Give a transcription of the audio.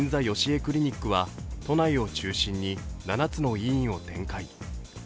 クリニックは都内を中心に７つの医院を展開。